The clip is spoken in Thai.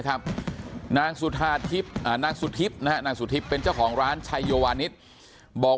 ครับนางสุธาทิพย์นางสุธิพย์เป็นเจ้าของร้านชายโยวานิสบอก